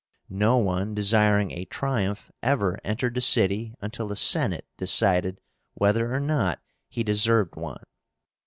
No one desiring a triumph ever entered the city until the Senate decided whether or not he deserved one.